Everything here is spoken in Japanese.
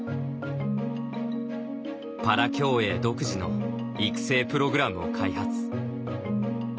パラ競泳独自の育成プログラムを開発。